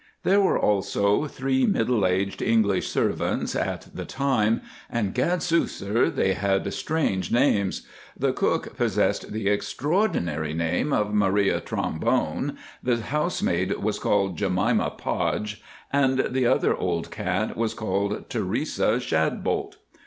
There were also three middle aged English servants at the time; and, gadsooth, sir, they had strange names. The cook possessed the extraordinary name of Maria Trombone, the housemaid was called Jemima Podge, and the other old cat was called Teresa Shadbolt.